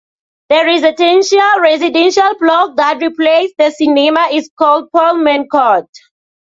The residential block that replaced the cinema is called "Pullman Court".